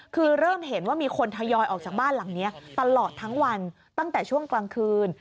คือเริ่มเห็นว่ามีคนทยอยออกจากบ้านหลังนี้ตลอดทั้งวันตั้งแต่ช่วงกลางคืน